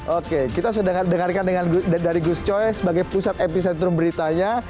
oke kita sudah dengarkan dari gus coy sebagai pusat epicentrum beritanya